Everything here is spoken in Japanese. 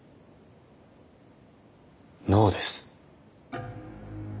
ノーです。